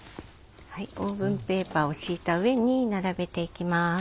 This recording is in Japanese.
オーブンペーパーを敷いた上に並べていきます。